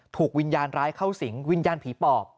ถูกวิญญาณร้ายเข้าสิงวิญญาณผีปอบ